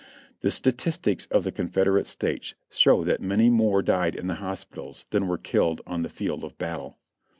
The statistics of the Confederate States show that many more died in the hospitals than were killed on the field of battle.